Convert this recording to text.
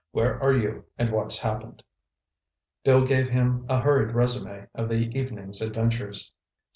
Where are you, and what's happened?" Bill gave him a hurried resume of the evening's adventures.